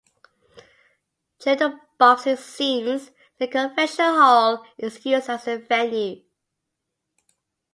During the boxing scenes, the Convention Hall is used as the venue.